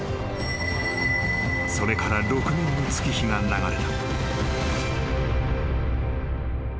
［それから６年の月日が流れた］